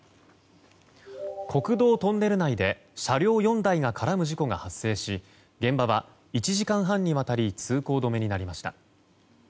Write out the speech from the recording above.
国道トンネル内で車両４台が絡む事故が発生し現場は１時間半にわたり通行止めになりました。